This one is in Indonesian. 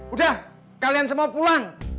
udah kalian semua pulang